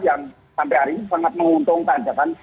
yang sampai hari ini sangat menguntungkan